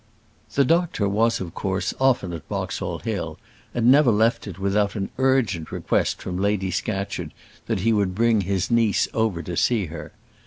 The doctor was of course often at Boxall Hill, and never left it without an urgent request from Lady Scatcherd that he would bring his niece over to see her.